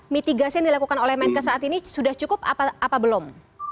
mitigasi yang dilakukan oleh menkes saat ini sudah cukup apa belum